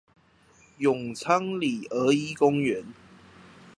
永昌里兒一公園